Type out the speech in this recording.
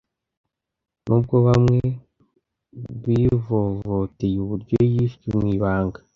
nubwo bamwe bivovoteye uburyo yishwe mu ibanga